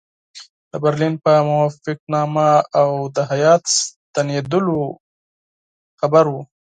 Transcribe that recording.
د برلین په موافقتنامه او د هیات ستنېدلو خبر وو.